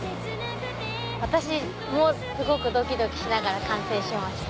私もすごくドキドキしながら観戦しました。